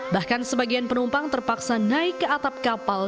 bahkan sebagian penumpang terpaksa naik ke atap kapal